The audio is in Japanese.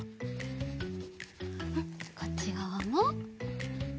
うんこっちがわも。